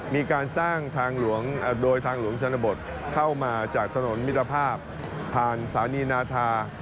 มีการสร้างทางหลวงโดยทางหลวงชนบทเข้ามาจากถนนมิตรภาพผ่านสถานีนาธา